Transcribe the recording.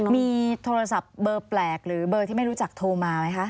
มีโทรศัพท์เบอร์แปลกหรือเบอร์ที่ไม่รู้จักโทรมาไหมคะ